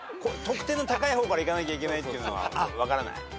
得点の高い方からいかなきゃいけないっていうのは分からない？